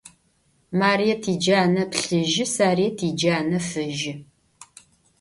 Marıêt yicane plhıjı, Sarıêt yicane fıjı.